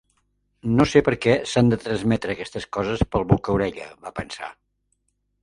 No sé per què s'han de transmetre aquestes coses pel boca-orella, va pensar.